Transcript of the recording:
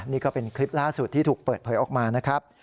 นี่ก็เป็นคลิปล่าสุดที่ถูกเปิดเผยออกมานะครับ